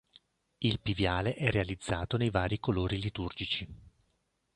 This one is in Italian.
Il piviale è realizzato nei vari colori liturgici.